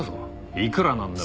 いくらなんでも。